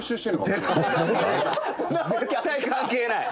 「絶対関係ない」